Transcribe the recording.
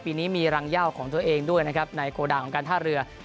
ปีนี้มีรังย่าของตัวเองด้วยนะครับในโกดังของการท่าเรือ